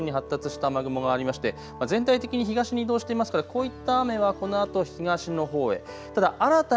栃木県や茨城県内を中心に発達した雨雲がありまして、全体的に東に移動してますからこういった雨はこのあと東のほうへ。